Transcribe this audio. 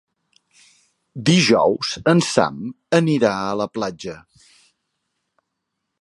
Dijous en Sam anirà a la platja.